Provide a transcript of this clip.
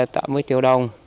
tám mươi triệu đồng